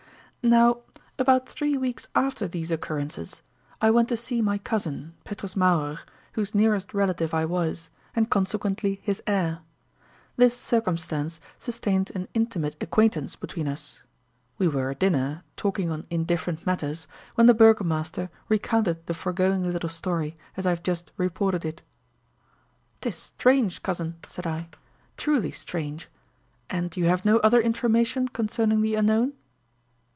Now about three weeks after these occurrences, I went to see my cousin, Petrus Mauerer, whose nearest relative I was, and consequently his heir. This circumstance sustained an intimate acquaintance between us. We were at dinner, talking on indifferent matters, when the burgomaster recounted the foregoing little story, as I have just reported it. "'Tis strange, cousin," said I, "truly strange. And you have no other information concerning the unknown?"